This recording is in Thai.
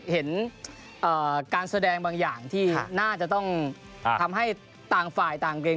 เมื่อกี้ฟังหมื่นเค้าให้เบรกเนี่ยใช่มะ